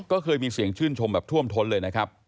ก็เคยมีเสียงชื่นชมแบบท่วมท้นเลยนะครับ